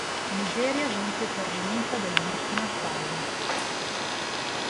Nigeria vince per rinuncia del Burkina Faso.